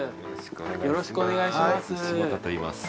よろしくお願いします。